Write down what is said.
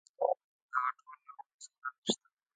دغه ټول له موږ سره نشته.